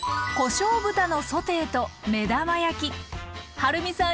はるみさん